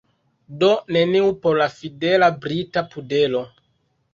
Do neniu por la fidela, brita pudelo.